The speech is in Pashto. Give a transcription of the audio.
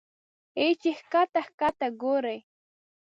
اې چې ښکته ښکته ګورې